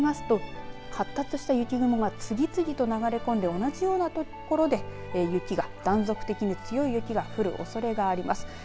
こうなりますと、発達した雪雲が次々と流れ込んで同じような所で断続的に強い雪が降るおそれがあります。